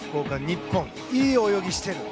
日本はいい泳ぎしてる。